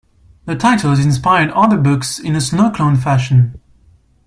The title has inspired other books in a snowclone fashion.